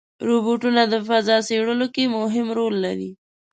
روبوټونه د فضا سپړلو کې مهم رول لري.